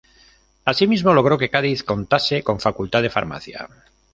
Asimismo, logró que Cádiz contase con Facultad de Farmacia.